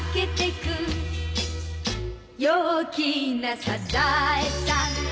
「陽気なサザエさん」